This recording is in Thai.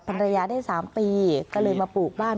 ภรรยาได้๓ปีก็เลยมาปลูกบ้าน